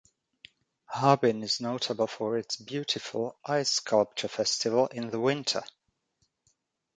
Harbin is notable for its beautiful ice sculpture festival in the winter.